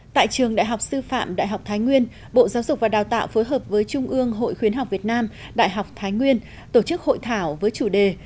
tại trường đại học sư phạm đại học thái nguyên bộ giáo dục và đào tạo phối hợp với trung ương hội khuyến học việt nam đại học thái nguyên tổ chức hội thảo với chủ đề